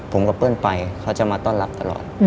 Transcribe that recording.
ผมกับเปิ้ลไปเขาจะมาต้อนรับตลอด